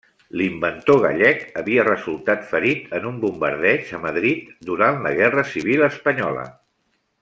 L'inventor gallec havia resultat ferit en un bombardeig a Madrid, durant la Guerra Civil espanyola.